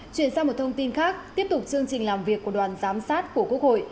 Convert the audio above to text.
chuyển sang một thông tin khác tiếp tục chương trình làm việc của đoàn giám sát của quốc hội